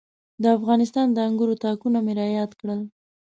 د افغانستان د انګورو تاکونه مې را یاد کړل.